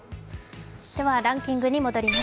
ではランキングに戻ります。